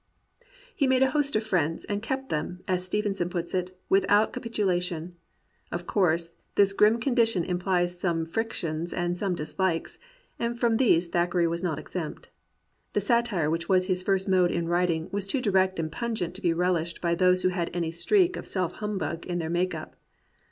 He made a host of friends and kept them, as Stevenson puts it, "without capitulation." Of course, this grim condition implies some frictions and some dislikes, and from these Thackeray was not exempt. The satire which was his first mode in writing was too direct and pungent to be relished by those who had any streak of self humbug in their make up.